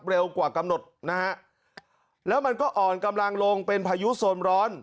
เร็วกว่ากำหนดนะฮะแล้วมันก็อ่อนกำลังลงเป็นพายุโซนร้อน